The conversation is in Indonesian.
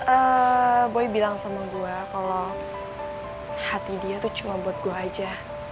eee boy bilang sama gue kalau hati dia itu cuma buat gue aja